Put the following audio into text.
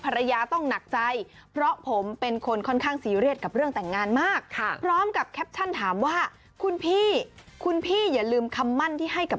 หลังจากที่พี่แจงปุ่นนาสาโพสต์ข้อความร่ายยาวประมาณว่า